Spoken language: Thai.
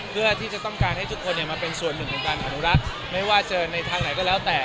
เพื่อที่จะต้องการให้ทุกคนมาเป็นส่วนหนึ่งในการอนุรักษ์ไม่ว่าเจอในทางไหนก็แล้วแต่